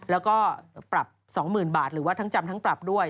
แล้วก็ปรับ๒๐๐๐บาทหรือว่าทั้งจำทั้งปรับด้วย